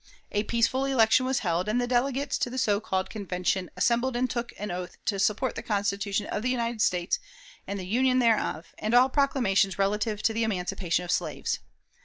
A peaceful election was held, and the delegates to the so called Convention assembled and took an oath to support the Constitution of the United States and the Union thereof, and all proclamations relative to the emancipation of slaves.